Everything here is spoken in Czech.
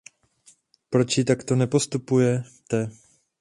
Proč již takto nepostupujete?